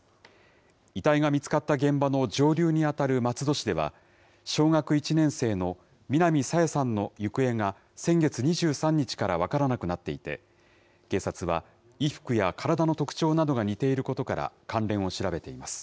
遺体が見つかった現場の上流に当たる松戸市では、小学１年生の南朝芽さんの行方が、先月２３日から分からなくなっていて、警察は衣服や体の特徴などが似ていることから、関連を調べています。